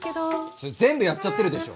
それ全部やっちゃってるでしょ。